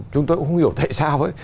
chúng tôi cũng không hiểu tại sao